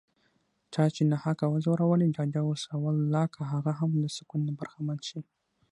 چا چې ناحقه وځورولي، ډاډه اوسه والله که هغه هم له سکونه برخمن شي